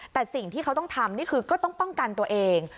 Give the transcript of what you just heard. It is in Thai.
แต่สิ่งที่เขาต้องทำนี่คือก็ต้องป้องกันตัวเอง